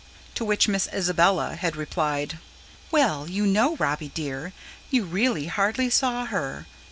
To which Miss Isabella had replied: "Well, you know, Robby dear, you really hardly saw her.